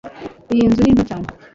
Iyi nzu ni nto cyane